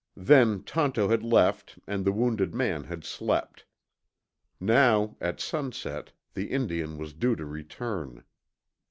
Then Tonto had left and the wounded man had slept. Now, at sunset, the Indian was due to return.